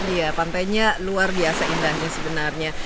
iya pantainya luar biasa indahnya sebenarnya